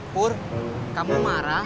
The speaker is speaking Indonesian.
pur kamu marah